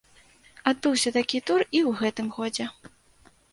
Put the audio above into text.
Адбыўся такі тур і ў гэтым годзе.